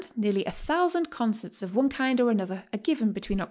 nearly a thousand concerts of one kind or another are given between Oct.